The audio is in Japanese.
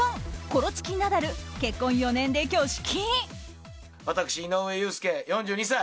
コロチキ、ナダル結婚４年で挙式。